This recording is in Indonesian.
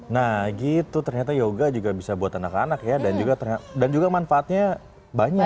nah gitu ternyata yoga juga bisa buat anak anak ya dan juga manfaatnya banyak